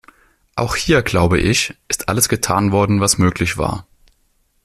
Auch hier, glaube ich, ist alles getan worden, was möglich war.